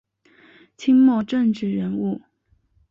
清末政治人物。